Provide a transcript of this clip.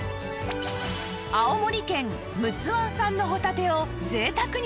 青森県陸奥湾産のほたてを贅沢に使用